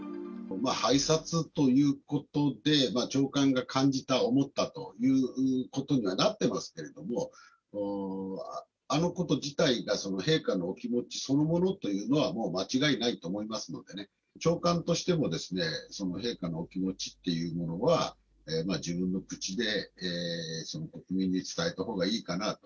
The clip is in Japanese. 拝察ということで、長官が感じた、思ったということにはなってますけれども、あのこと自体が陛下のお気持ちそのものというのは、もう間違いないと思いますのでね、長官としても、陛下のお気持ちというものは、自分の口で国民に伝えたほうがいいかなと。